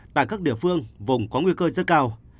tại các địa phương vùng có nguy cơ rất cao